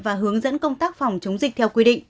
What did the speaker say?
và hướng dẫn công tác phòng chống dịch theo quy định